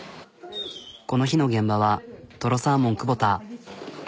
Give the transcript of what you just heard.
この日の現場はとろサーモン久保田。